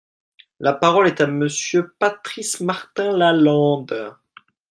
La parole est à Monsieur Patrice Martin-Lalande.